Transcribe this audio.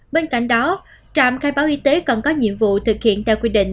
bên cạnh đó trạm khai báo y tế còn có nhiệm vụ thực hiện theo quy định